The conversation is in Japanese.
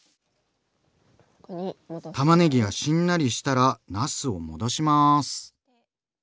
たまねぎがしんなりしたらなすを戻します。